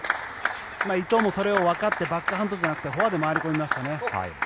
伊藤もそれをわかってバックハンドじゃなくてフォアで回り込みましたね。